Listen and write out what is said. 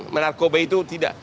menarkoba itu tidak